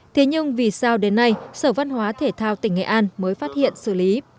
thế nhưng vì sao đến nay sở văn hóa thể thao tỉnh nghệ an mới phát hiện xử lý